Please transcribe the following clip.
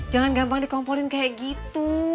jangan gampang dikomporin kayak gitu